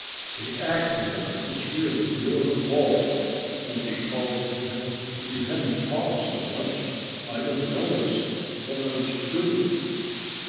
"The accident was really your fault," Grunty called to him. "If you hadn't talked so much I'd have noticed what I was doing."